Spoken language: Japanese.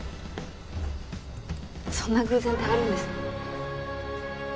そんな偶然ってあるんですね。